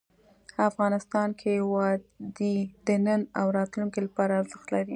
افغانستان کې وادي د نن او راتلونکي لپاره ارزښت لري.